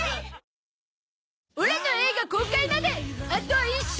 オラの映画公開まであと１週